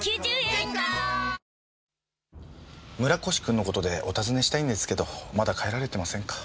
⁉村越君の事でお尋ねしたいんですけどまだ帰られてませんか？